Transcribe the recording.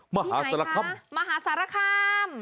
มหาสาระคามที่ไหนคะมหาสาระคาม